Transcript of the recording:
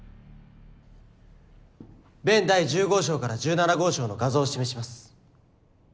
弁第１０号証から１７号証の画像を示します。